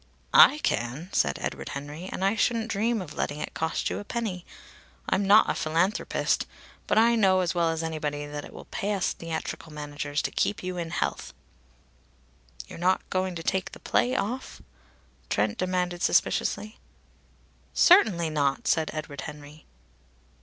"I can!" said Edward Henry. "And I shouldn't dream of letting it cost you a penny. I'm not a philanthropist. But I know as well as anybody that it will pay us theatrical managers to keep you in health." "You're not going to take the play off?" Trent demanded suspiciously. "Certainly not!" said Edward Henry.